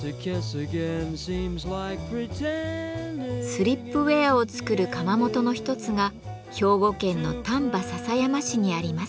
スリップウェアを作る窯元の一つが兵庫県の丹波篠山市にあります。